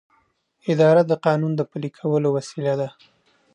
اداره د قانون د پلي کولو وسیله ده.